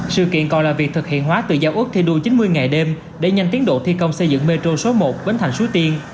sự kiện còn là việc thực hiện hóa từ giao ước thi đua chín mươi ngày đêm để nhanh tiến độ thi công xây dựng metro số một bến thành suối tiên